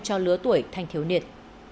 cho lứa tuổi thanh thiếu niên